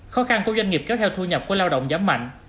khó khăn của doanh nghiệp kéo theo thu nhập của lao động giảm mạnh